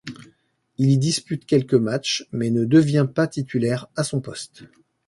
Il y dispute quelques matches, mais ne devient pas titulaire à son poste.